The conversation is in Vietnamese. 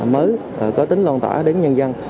mới có tính loan tỏa đến nhân dân